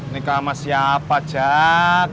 nikah sama siapa jak